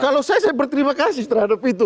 kalau saya saya berterima kasih terhadap itu